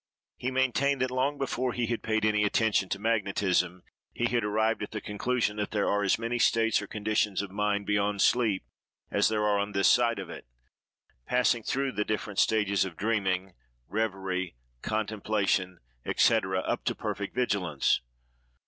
He maintained that, long before he had paid any attention to magnetism, he had arrived at the conclusion that there are as many states or conditions of mind beyond sleep as there are on this side of it; passing through the different stages of dreaming, revery, contemplation, &c., up to perfect vigilance.